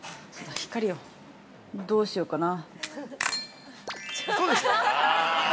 光を、どうしようかな。